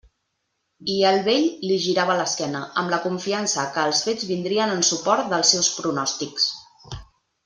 I el vell li girava l'esquena, amb la confiança que els fets vindrien en suport dels seus pronòstics.